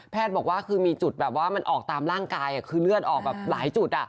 แพทย์บอกว่ามีจุดมันออกตามร่างกายคือเลือดออกหลายจุด